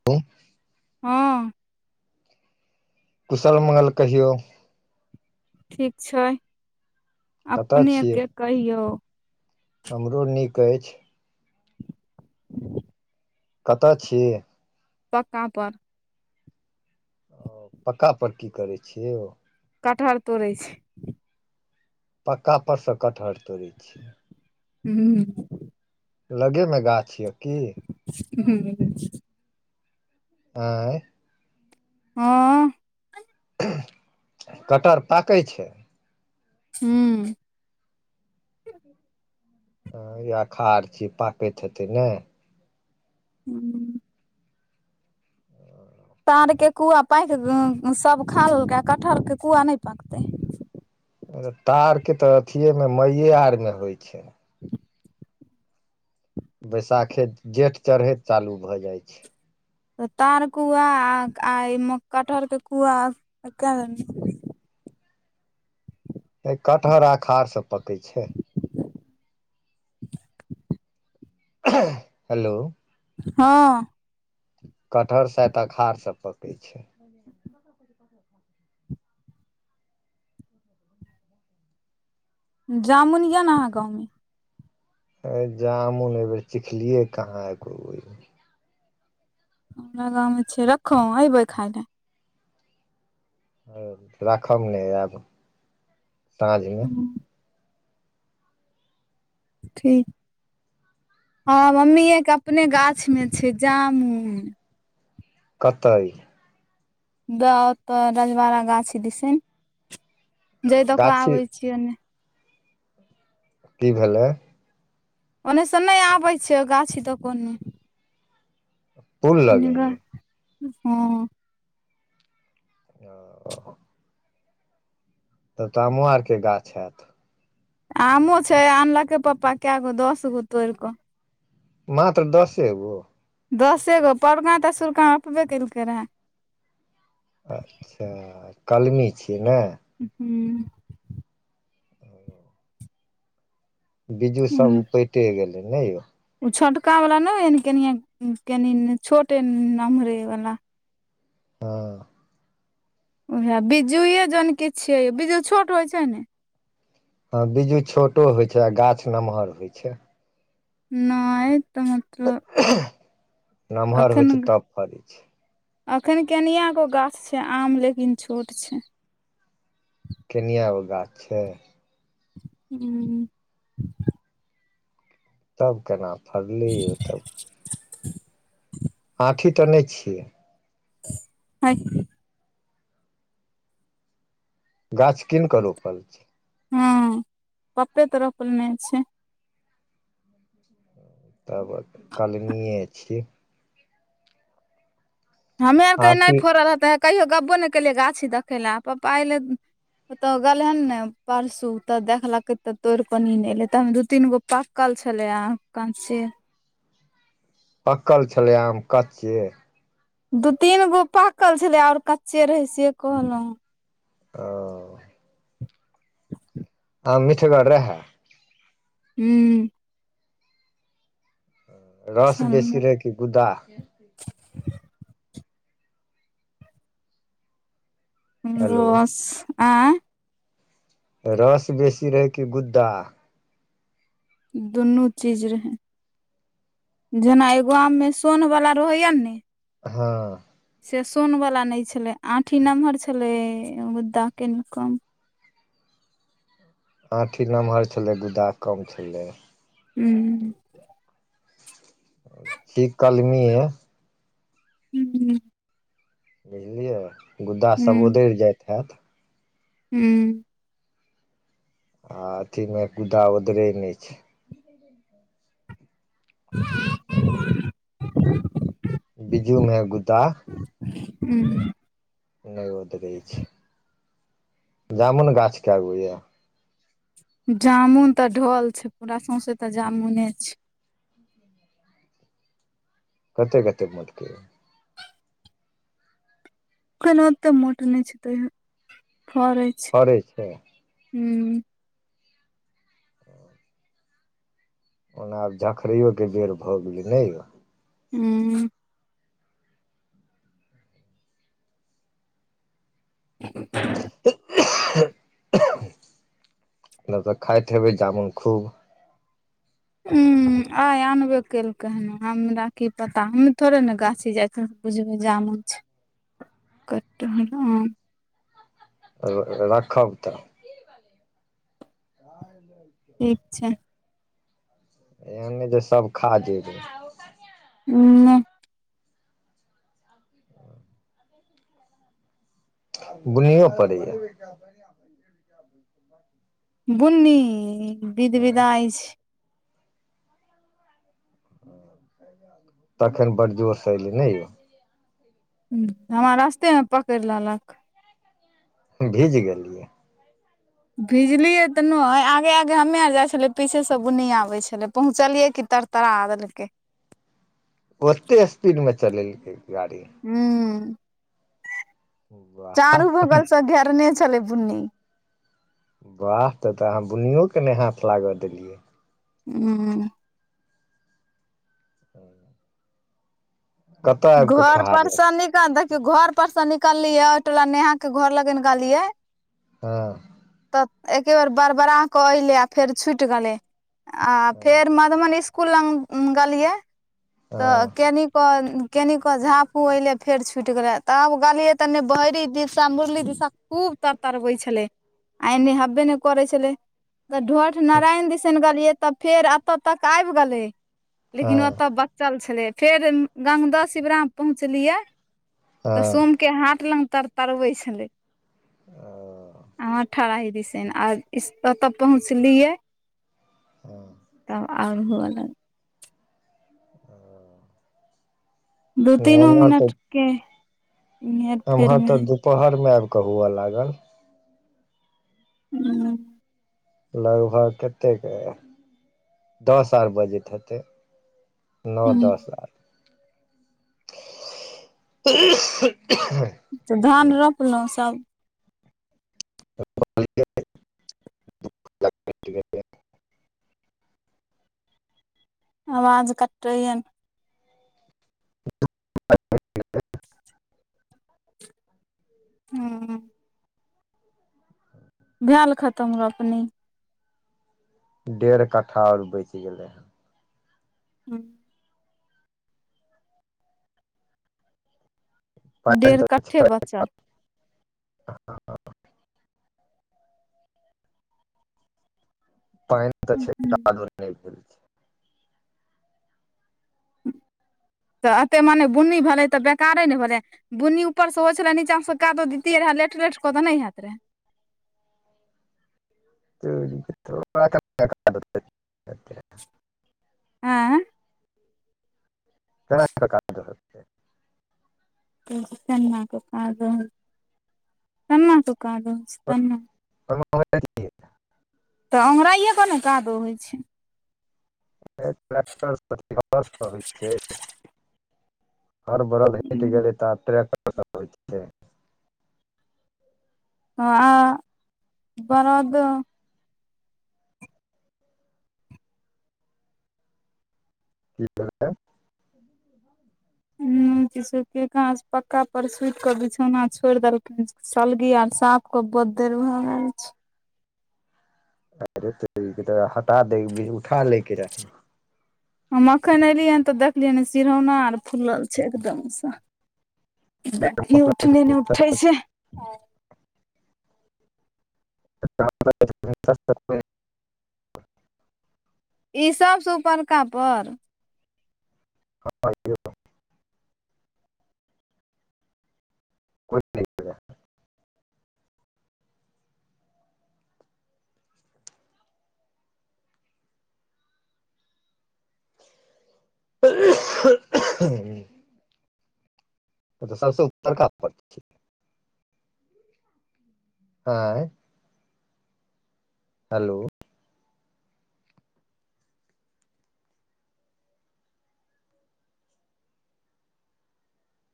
[inaudible] हँ कुशल मंगल कहियौ ठीक छै कतय छियै अपनेके कहियौ हमरो नीक अइछ कत छि पक्का पर पक्का पर की करै छि यै कटहर तोड़ै छी पक्का परस कटहर तोड़ए छि हूँ लगे मे गाछ यए की [inaudible] आएँ हँ कटहर पाकय छय ह्म्म हँ अखार छय पाकैत हेतै ने हू तार के कुआ पाकि सब खा लेलक कटहर के कुआ नहि पाकतै तार के त अथिेमे मईए आर मे होइत छै [inaudible] बैसाखे जेठ चढ़ेैत चालू भ जाइ छे त तारकुआ आ एहिमे कटहर के कुआ कए कटहर अखाड़ स पकई छै हेलो हँ कटहर सेत अखाड़ स पकै छै जामुन ये न अहाँ गाँव मे अय जामुन अइ बेेर चिखलियै कहाँ एको बेर हमरा गाँव मे छै रखों अइबै खाय ले हॅं राखब ने आयब साँझ मे ठीक हाँ मम्मीए के अपने गाछ में छे जामुन कतय बे ओतय रजवाड़ा गाछी दिसेन जै द के गाछी आबे छियै ओने की भेलै ओने सँ नहि आबै छीये ओ गाछी द के ओने पुल ओग लगेने हँ आ तब त आमो आर के गाछ हैत आमो छै आनलकै पप्पा कए गो दस गो तोड़ि के मात्र दसे गो दसे गो परगाँ तेसुरकाँ अपने केलकै रहै अच्छा कलमी छियै ने हू बिजू सब ऊपैटे गेलै ने यौ ओ छोटकावला नहि ह कनि-कनि छोटे नमहरेवला हँ उएह बिज्जूए जनके छियै यौ बिज्जू छोट होइत छै ने ह बिज्जू छोटो होइ छै आ गाछ नमहर होइ छै नहिय तऽ मतलब नमहर होइ छै तब फरै छै एखन केनिआँगो गाछ छै आम लेकिन छोट छै केनिआ गो गाछ छै हूँ तब केना फड़ली ओ तब [inaudible] आँठी त नहि छियै हेय गाछ कीन क रोपल छै हँ पप्पे त रोपने छै तब कलमियए छियै हमे आर के नहि आँठी फड़ल रहतै है कहियो गपबो नहि केलियै गाछी देखय लए पप्पा एलै ओतो गेलै हन ने परसू ते देखलके ते तोड़ कनी ने एले त हम दू तीन गो पकल छलै आम काँचे पकल छलै आम कच्चे दू तीन गो पाकल छलै आओर कच्चे रहे से कहलहुँ अ ह मिठगर रहै हूँ रस बेसी रहै कि गुद्दा? हेलो रस आ रस बेसी रहै कि गुद्दा? दुनू चीज रहै जेना एगो आम मे सोन वाला रहैया ने हँ से सोन वला नहि छलै, आठी नमहर छलै मुद्दा कनि कम आँठी नमहर छलै, गुद्दा कम छलै हू इ कलमी ये हू बुझलियै गुद्दा सभ ओदरि जाइत हैत हू आ अथी मे कुदाा ओदरे नहि छै [inaudible] [inaudible] बिजू मे गुद्दा [inaudible] नय ऑडरे छै जामुन गाछ केगो यए जामुन तऽ ढोल छै पूरा सौंसे तऽ जामुने छै [inaudible] कते कते मोट के अखन ओते मोट नहि छै तयौ फरे फरे छै हूँ ओना आब झखरैयओे बेर भऽ गेलै नहि यौ हू [inaudible] नहि तऽ खाायतेबै जामुन खूब ह आ आनबे केलकै हन हमरा की पता हम थोड़े ने गाछी जाय छ त बूजबे जामुन छै [inaudible] [unintelligible] राखब तऽ [unintelligible] ठीक छै एन नई जे सब खा जेबै ने बुनीयौ पड़ैया [inaudible] बुन्नी विध हँ विधइ छै [inaudible] तखन बड जोर से एऐलै नै यौ हूँ हमरा रास्तेमे पकड़ि लेलक भीज गेली भिजलियै तऽ नय आगे आगे हमे आल जाइ छलियै पीछेसँ बुनी आबै छलै पहुँचलियै की तर तऽरा देलकै ओते स्पीडमे चलेलकै गाड़ी हूँ वाह चारू बगल से घेरने छलै बुन्नी वाह तऽ तऽ अहाँ बुनीयोके नै हाथ लागऽ देलियै हूँ हूँ घर खेहार परस लग निकल देखियो घर पर स निकललियै ओय टोला नेहा के घर लगेन गियै हँ तऽ एके बेर बरबड़ा क अऐलै आ फेर छुटि गेलै आ हँ फेर म मन इसकूल लग गेलियै तऽ हँ केनी क कनि कऽ झाँपू अएलै फेर छुटि गेलै तऽ आब गेलियै तनि बहरी दिस मुरली दिसा खूब तर तर रबै छलै आ एनी हेबे नै करै छल तऽ ढोठ नारायण दिसन गेलियै तऽ फेर एतय तक आबि गेलै लेकिन ओत हँ बचल छेलैय फेर गंगदह शिवराम पहुँचलियए तऽ हँ हँ। सोमके हाट लग तर तरबै छलै आँ ठराही दिसैन आ ओतऽ पहुँचलियै हां तब आओर होअ लाग हाँ दु तीनो मिनट के हेर फेर एम्हर मे त है दुपहर मे आबि क हुअ लागल हूं लगभग कतेके दस आर बजैत हेतै। नो दस लाख [unintelligible] त धान रोप लौं सब [unintelligible] [inaudible] आवाज कटैयन [unintelligible] हूं [inaudible] भेएल खतम रोपनी डेढ़ कट्ठा आओर बैच गेलै हं प [unintelligible] ह ह डेढ़ कट्ठे [unintelligible] पानि तऽ छै बचल कादो नै भेलै त एते मने बुनी भेलै त बेकारे न भेलै बुन्नी ऊपर से हो छलै नीचा से कादो दितियै रहै लेठ लेठ क तऽ नै होयत रहै [unintelligible] हेतै, ऐं [unintelligible] केना क कादो केन्ना क कादो हेतै। त ओंगराईऐ केन काद ओ होइ छै [unintelligible] हर बरद हटि गेलै तऽ आब ट्रैक्टर से होइ छै। हाँ बरद की केलके [inaudible] उंह किशू पक्का पर सुति के बिछौना छोड़ि देलखिन। सलगी आर साफ क देलो हैज [unintelligible] हटा दै के उठा लै के रहा हम अखन एलियैहन त देखलियैहन सिरौना आर फुलल छय एकदम सँ देखि उठले नै उठैय छै। [unintelligible] ई सभ स ऊपरका पर [unintelligible] [inaudible] तऽत सबसँ उत्तरका प आए हेलो